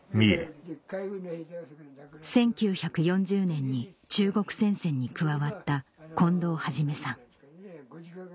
１９４０年に中国戦線に加わった近藤一さん